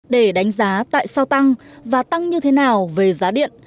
để đánh giá tại sao tăng và tăng như thế nào về giá điện